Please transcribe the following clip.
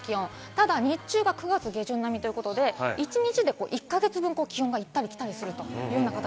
ただ日中が９月下旬並みということで、１日で１か月分気温が行ったり来たりします。